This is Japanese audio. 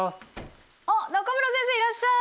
あっ中村先生いらっしゃい！